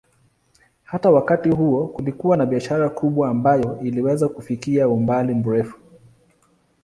Hata wakati huo kulikuwa na biashara kubwa ambayo iliweza kufikia umbali mrefu.